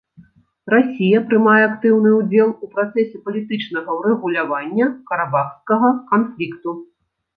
Расія прымае актыўны ўдзел у працэсе палітычнага ўрэгулявання карабахскага канфлікту.